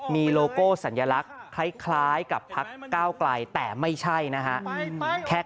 มีโลโก้สัญลักษณ์คล้ายกับพักก้าวไกลแต่ไม่ใช่นะฮะ